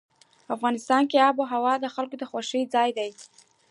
افغانستان کې آب وهوا د خلکو د خوښې ځای دی.